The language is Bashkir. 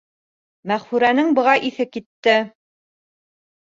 Мәғфүрәнең быға иҫе китте: